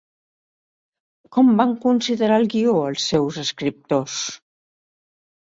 Com van considerar el guió els seus escriptors?